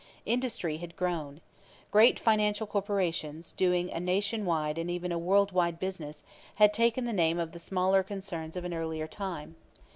Industry had grown. Great financial corporations, doing a nation wide and even a world wide business, had taken the place of the smaller concerns of an earlier time.